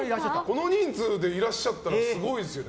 この人数でいらっしゃるのすごいですよね。